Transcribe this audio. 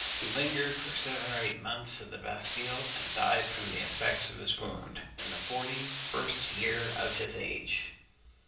He lingered for seven or eight months in the Bastille, and died from the effects of his wound, in the forty first year of his age.